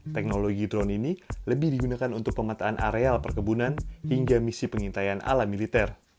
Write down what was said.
teknologi drone ini lebih digunakan untuk pemetaan areal perkebunan hingga misi pengintaian ala militer